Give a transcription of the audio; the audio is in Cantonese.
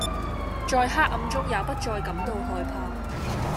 在黑暗中也不再感到害怕